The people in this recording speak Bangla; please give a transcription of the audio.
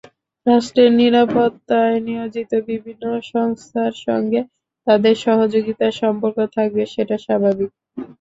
রাষ্ট্রের নিরাপত্তায় নিয়োজিত বিভিন্ন সংস্থার সঙ্গে তাদের সহযোগিতার সম্পর্ক থাকবে, সেটা স্বাভাবিক।